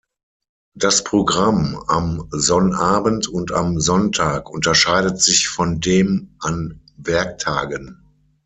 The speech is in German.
Das Programm am Sonnabend und am Sonntag unterscheidet sich von dem an Werktagen.